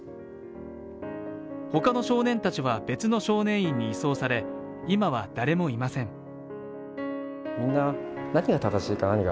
他の少年たちは別の少年院に移送され、今は誰もいません。